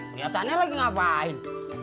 keliatannya lagi ngapain